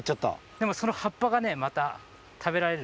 でもその葉っぱがねまた食べられるので。